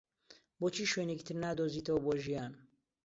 بۆچی شوێنێکی تر نادۆزیتەوە بۆ ژیان؟